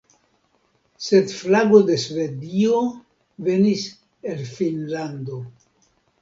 Sed flago de Svedio venis el Finnlando.